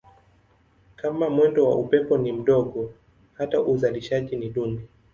Kama mwendo wa upepo ni mdogo hata uzalishaji ni duni.